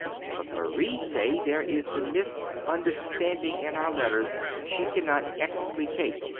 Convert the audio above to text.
But Marie say there is the miss understand in our letters she cannot explicate.